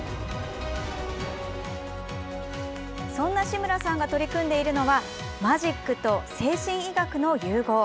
そんな志村さんが取り組んでいるのはマジックと精神医学の融合。